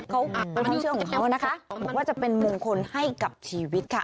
อันนี้เชื่อของเขานะคะบอกว่าจะเป็นมงคลให้กับชีวิตค่ะ